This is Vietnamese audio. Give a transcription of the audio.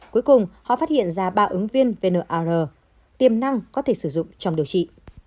cuối cùng họ phát hiện ra ba ứng viên vnr tiềm năng có thể sử dụng trong điều trị